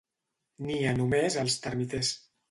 Nia només als termiters.